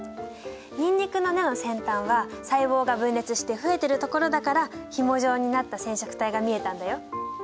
ニンニクの根の先端は細胞が分裂して増えてるところだからひも状になった染色体が見えたんだよ。